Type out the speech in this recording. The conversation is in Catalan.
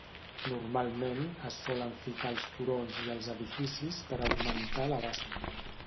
Normalment es solen ficar als turons i els edificis per augmentar l"abast.